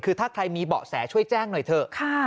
คือถ้าใครมีเบาะแสช่วยแจ้งหน่อยเถอะ